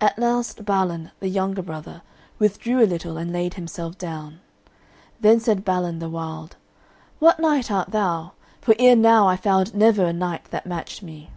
At last Balan, the younger brother, withdrew a little and laid himself down. Then said Balin the Wild, "What knight art thou? for ere now I found never a knight that matched me."